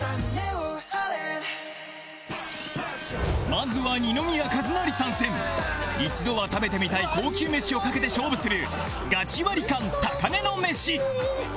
まずは二宮和也参戦一度は食べてみたい高級飯を懸けて勝負するガチワリカン高値の飯